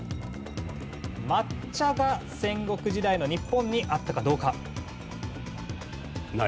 抹茶が戦国時代の日本にあったかどうか？